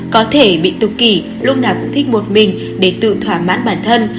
có thể bị tục kỷ lúc nào cũng thích một mình để tự thoả mãn bản thân